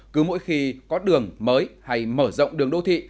cứ mỗi khi có đường mới hay mở rộng đường đô thị